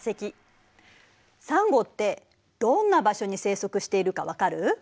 サンゴってどんな場所に生息しているかわかる？